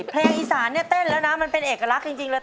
เพลงอีสานเนี่ยเต้นแล้วนะมันเป็นเอกลักษณ์จริงเลย